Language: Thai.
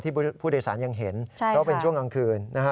ที่ผู้โดยสารยังเห็นเขาเป็นช่วงกลางคืน